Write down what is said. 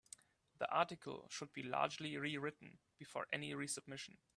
The article should be largely rewritten before any resubmission.